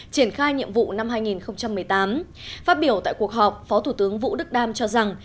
triển khai nhiệm vụ năm hai nghìn một mươi tám phát biểu tại cuộc họp phó thủ tướng vũ đức đam cho rằng